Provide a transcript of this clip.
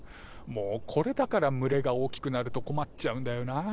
もうこれだから群れが大きくなると困っちゃうんだよな。